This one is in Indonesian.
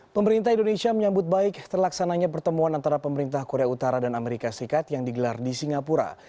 pemerintah indonesia menyambut baik terlaksananya pertemuan antara pemerintah korea utara dan amerika serikat yang digelar di singapura